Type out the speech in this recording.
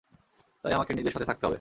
তাই, আমাকে নিজের সাথে থাকতে হবে।